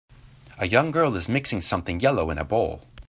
A young girl is mixing something yellow in a bowl.